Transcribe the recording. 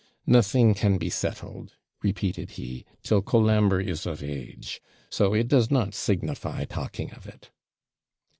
'Nothing can be settled,' repeated he, 'till Colambre is of age; so it does not signify talking of it.'